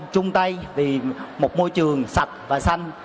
chung tay vì một môi trường sạch và xanh